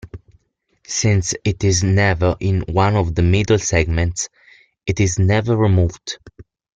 Since it is never in one of the middle segments, it is never removed.